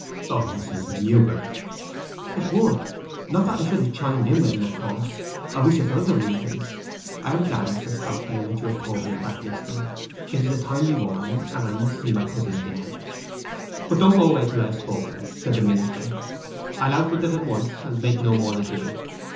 'O Mrs. Newberry!' 'It would. Not that I should ha' chimed in with him, of course. I wish it for other reasons. I am glad, Mr. Stockdale, that you have told me of that listener. It is a timely warning, and I must see my cousin again.' 'But don't go away till I have spoken,' said the minister. 'I'll out with it at once, and make no more ado.